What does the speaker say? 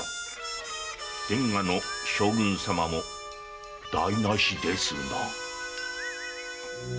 天下の将軍様も台無しですな。